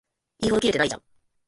言うほどキレてないじゃん